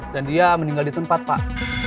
dan dia meninggal di tempat pak